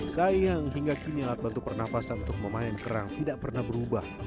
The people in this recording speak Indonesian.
sayang hingga kini alat bantu pernafasan untuk memain kerang tidak pernah berubah